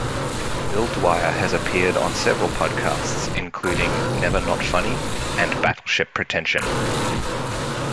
Bil Dwyer has appeared on several podcasts, including "Never Not Funny" and "Battleship Pretension".